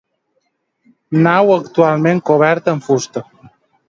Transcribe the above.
Nau actualment coberta amb fusta.